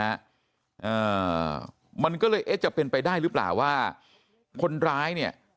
อ่ามันก็เลยเอ๊ะจะเป็นไปได้หรือเปล่าว่าคนร้ายเนี่ย